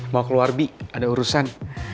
mau keluar bi ada urusan